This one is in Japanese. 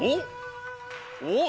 おっ！